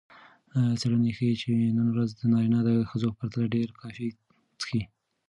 څیړنې ښيي چې نن ورځ نارینه د ښځو په پرتله ډېره کافي څښي.